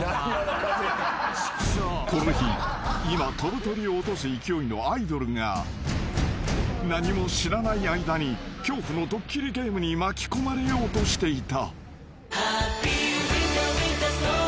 ［この日今飛ぶ鳥を落とす勢いのアイドルが何も知らない間に恐怖のドッキリゲームに巻き込まれようとしていた］